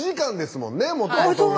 もともとが。